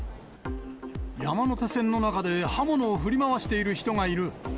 山手線の中で刃物を振り回している人がいる。